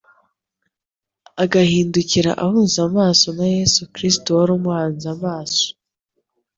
agihindukira ahuza amaso na Yesu Kristo wari umuhanze amaso.